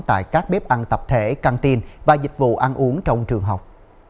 tại các bếp ăn tập thể cantein và dịch vụ ăn uống trong trường học